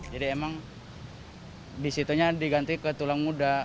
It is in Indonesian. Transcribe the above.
jadi emang disitunya diganti ke tulang muda